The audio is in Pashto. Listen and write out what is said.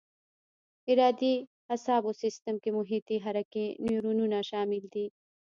ارادي اعصابو سیستم کې محیطي حرکي نیورونونه شامل دي.